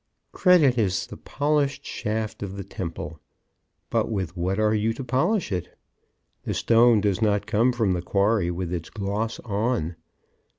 Credit is the polished shaft of the temple. But with what are you to polish it? The stone does not come from the quarry with its gloss on.